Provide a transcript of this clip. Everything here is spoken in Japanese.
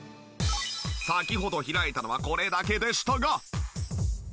先ほど開いたのはこれだけでしたが。